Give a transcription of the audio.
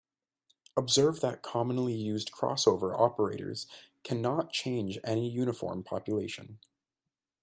Observe that commonly used crossover operators cannot change any uniform population.